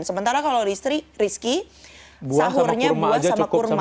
sementara kalau rizky sahurnya buah sama kurma